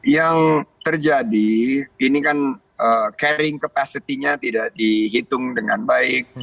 yang terjadi ini kan carrying capacity nya tidak dihitung dengan baik